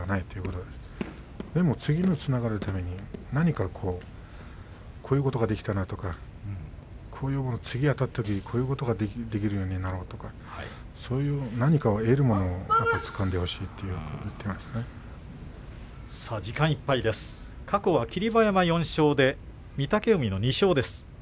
でも次につながるために何かこういうことができたらなとか次あたったときにこういうことができるようになろうとかそういうものをつかんでほしいというふうに過去は霧馬山４勝で御嶽海の２勝です。